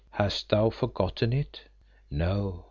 Hast thou forgotten it?" "No."